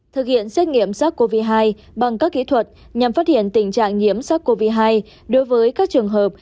thực hiện xét nghiệm sắc covid một mươi chín bằng các kỹ thuật nhằm phát hiện tình trạng nhiễm sắc covid một mươi chín đối với các trường hợp